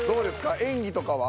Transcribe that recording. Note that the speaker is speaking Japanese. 演技とかは。